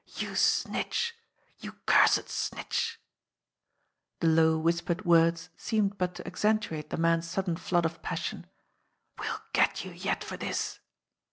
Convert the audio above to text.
"You snitch, you cursed snitch" the low, whispered words seemed but to accentuate the man's sudden flood of passion "we'll get you yet for this